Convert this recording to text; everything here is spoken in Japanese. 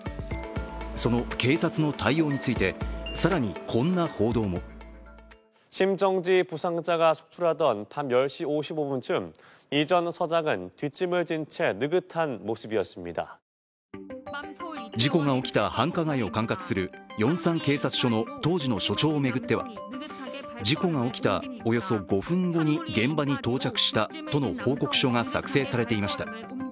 その警察の対応について、更にこんな報道も事故が起きた繁華街を管轄するヨンサン警察署の当時の署長を巡っては事故が起きたおよそ５分後に現場に到着したとの報告書が作成されていました。